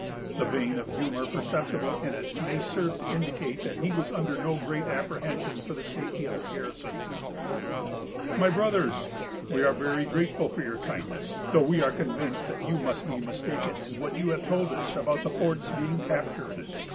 The vein of humor perceptible in it may serve to indicate that he was under no great apprehension for the safety of his garrison:—— "My Brothers, we are very grateful for your kindness, though we are convinced that you must be mistaken in what you have told us about the forts being captured.